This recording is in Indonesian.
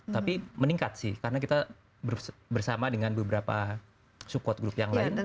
tapi meningkat sih karena kita bersama dengan beberapa support group yang lain